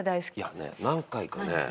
いやね何回かね